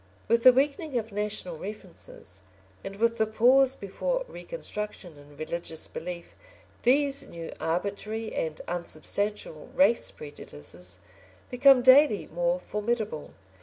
With the weakening of national references, and with the pause before reconstruction in religious belief, these new arbitrary and unsubstantial race prejudices become daily more formidable.